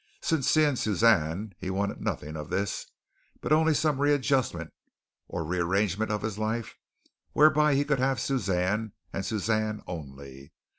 Since seeing Suzanne, he wanted nothing of this, but only some readjustment or rearrangement of his life whereby he could have Suzanne and Suzanne only.